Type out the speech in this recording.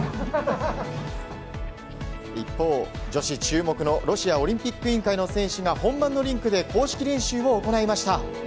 一方、女子注目のロシアオリンピック委員会の選手が本番のリンクで公式練習を行いました。